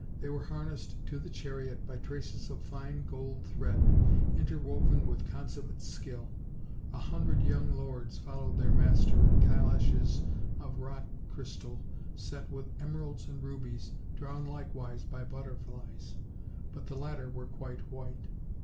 They were harnessed to the chariot by traces of fine gold thread, interwoven with consummate skill; a OLD, OLD FAIR 7 TALES. 159 hundred young lords followed their master in calashes of rock crystal, set with emeralds and rubies, drawn likewise by butterflies, but the latter were quite white.